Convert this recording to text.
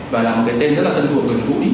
và là một cái tên rất là thân thuộc gần gũi